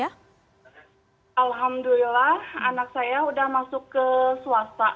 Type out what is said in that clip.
alhamdulillah anak saya sudah masuk ke swasta